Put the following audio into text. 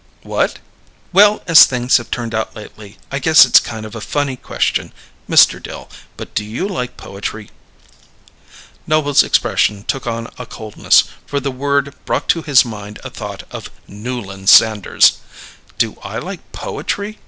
"What?" "Well, as things have turned out lately I guess it's kind of a funny question, Mr. Dill, but do you like poetry?" Noble's expression took on a coldness; for the word brought to his mind a thought of Newland Sanders. "Do I like poetry?"